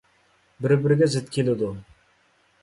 بىر - بىرىگە زىت كېلىدۇ.